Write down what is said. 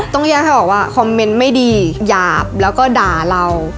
ต้องแยกให้บอกว่าคอมเมนต์ไม่ดีหยาบแล้วก็ด่าเรา